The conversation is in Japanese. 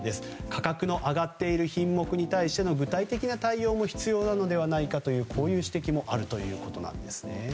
価格の上がっている品目に対しての具体的な対応も必要なのではという指摘もあるということです。